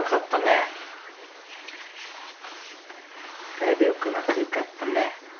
だいぶよくなってよかったね。